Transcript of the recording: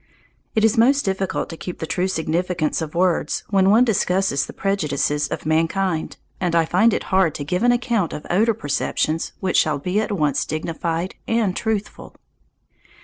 It is most difficult to keep the true significance of words when one discusses the prejudices of mankind, and I find it hard to give an account of odour perceptions which shall be at once dignified and truthful.